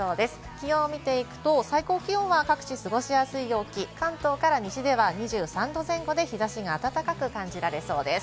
気温を見ていくと、最高気温は各地過ごしやすい陽気、関東から西では２３度前後で、日差しが暖かく感じられそうです。